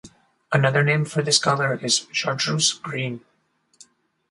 Another name for this color is chartreuse green.